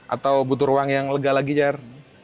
atau butuh ruang yang lega lagi jar